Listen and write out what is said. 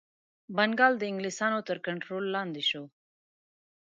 بنګال د انګلیسیانو تر کنټرول لاندي شو.